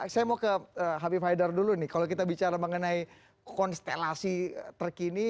saya mau ke habib haidar dulu nih kalau kita bicara mengenai konstelasi terkini